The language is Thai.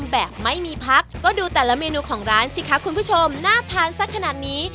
แบบไม่มีพักก็ดูแต่ละเมนูของร้านสิคะคุณผู้ชมน่าทานสักขนาดนี้